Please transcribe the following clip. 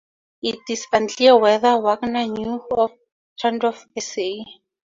It is unclear whether Wagner knew of Trahndorff's essay.